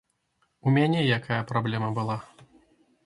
У мяне якая праблема была?